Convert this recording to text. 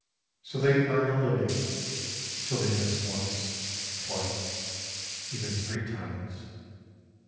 So they earn a living — till they miss once, twice, even three times.